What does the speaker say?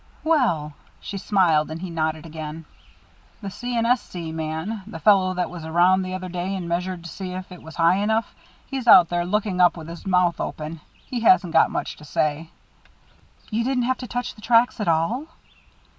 "Well " she smiled; and he nodded again. "The C. & S. C. man the fellow that was around the other day and measured to see if it was high enough he's out there looking up with his mouth open. He hasn't got much to say." "You didn't have to touch the tracks at all?"